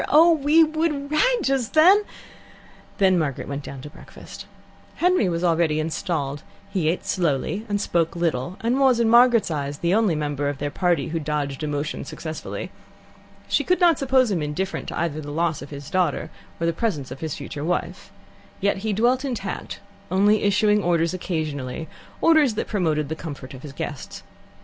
Oh, we would rag just then!" Then Margaret went down to breakfast. Henry was already installed; he ate slowly and spoke little, and was, in Margaret's eyes, the only member of their party who dodged emotion successfully. She could not suppose him indifferent either to the loss of his daughter or to the presence of his future wife. Yet he dwelt intact, only issuing orders occasionally orders that promoted the comfort of his guests.